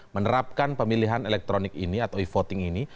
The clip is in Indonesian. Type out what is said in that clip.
menerapkan pemilihan elektronik ini atau e voting ini